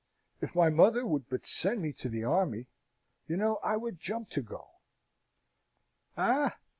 If my mother would but send me to the army, you know I would jump to go." "Eh!